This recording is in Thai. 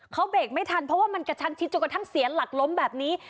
เขาเบรกไม่ทันเพราะว่ามันกระชั้นชิดจนกระทั่งเสียหลักล้มแบบนี้